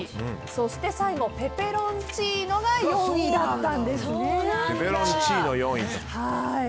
そして最後、ペペロンチーノが４位だったんですね。